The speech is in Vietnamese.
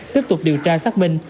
tiếp tục điều tra xác minh